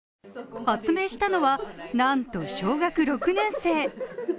発明したのは、なんと小学６年生！